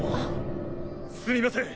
すみません！